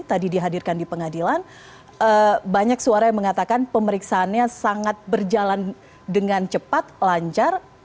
tadi dihadirkan di pengadilan banyak suara yang mengatakan pemeriksaannya sangat berjalan dengan cepat lancar